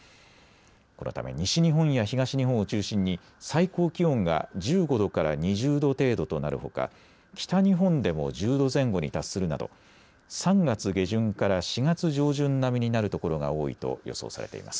このため西日本や東日本を中心に最高気温が１５度から２０度程度となるほか北日本でも１０度前後に達するなど３月下旬から４月上旬並みになる所が多いと予想されています。